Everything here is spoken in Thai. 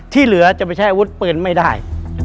เหลือจะไปใช้อาวุธปืนไม่ได้